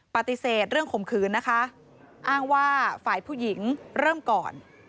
ปฏิเสธเรื่องข่มขืนนะคะอ้างว่าฝ่ายผู้หญิงเริ่มก่อน